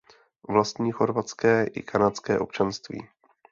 Vlastní chorvatské i kanadské občanství.